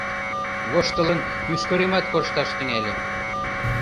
Воштылын, мӱшкыремат коршташ тӱҥале...